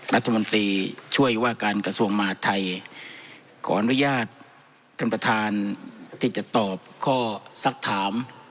รัฐมนตรีช่วยว่าการกระทรวงมหาดไทยขออนุญาตท่านประธานที่จะตอบข้อสักถาม